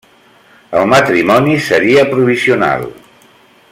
El matrimoni seria provisional.